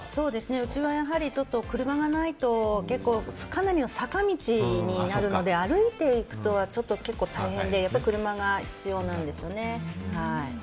うちは、やはり車がないとかなりの坂道になるので歩いていくと結構大変で車が必要なんですよね。